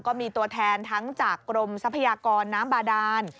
ก็มีตัวแทนทั้งจากกรมทรัพยากรน้ำบาดาน